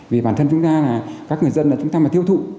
vì bản thân chúng ta là các người dân là chúng ta mà tiêu thụ